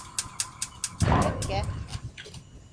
Бүләккә.